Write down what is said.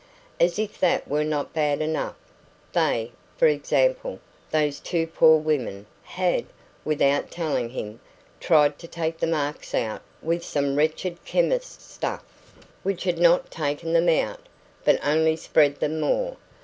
As if that were not bad enough, "they" i.e., those two poor women had, without telling him, tried to take the marks out with some wretched chemist's stuff, which had not taken them out, but only spread them more.